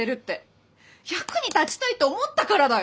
役に立ちたいって思ったからだよ！